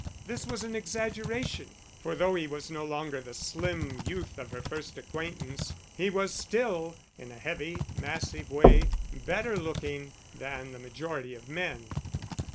This was an exaggeration, for though he was no longer the slim youth of her first acquaintance, he was still, in a heavy, massive way, better looking than the majority of men.